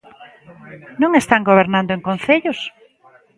¿Non están gobernando en concellos?